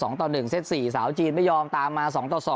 เซต๔สาวจีนไม่ยอมตามมา๒๒